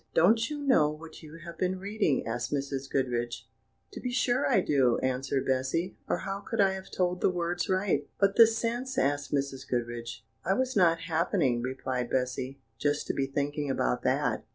"Don't you know what you have been reading?" asked Mrs. Goodriche. "To be sure I do," answered Bessy, "or how could I have told the words right?" "But the sense?" asked Mrs. Goodriche. "I was not happening," replied Bessy, "just to be thinking about that.